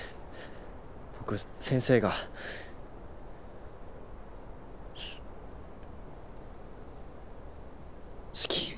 僕先生が好き。